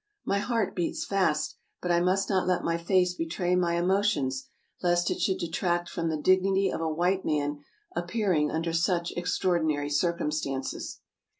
My heart beats fast, but I must not let my face betray my emo tions, lest it should detract from the dignity of a white man appearing under such extraordinary circumstances.